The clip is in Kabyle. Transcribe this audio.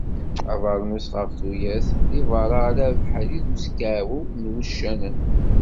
Abernus ɣef tuyat, deg berra ala abeḥri d uskiɛu n wuccanen.